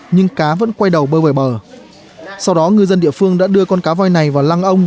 nhưng cá vẫn quay đầu bơi vào bờ sau đó ngư dân địa phương đã đưa con cá voi này vào lăng ông